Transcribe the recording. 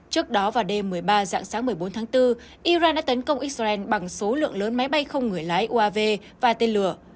trước đó vào đêm một mươi ba dạng sáng một mươi bốn tháng bốn iran đã tấn công israel bằng số lượng lớn máy bay không người lái uav và tên lửa